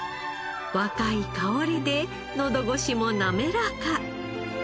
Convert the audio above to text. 若い香りでのど越しも滑らか。